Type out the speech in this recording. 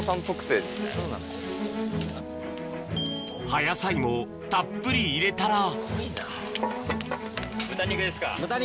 葉野菜もたっぷり入れたら豚肉ですか。